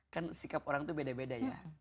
kan sikap orang itu beda beda ya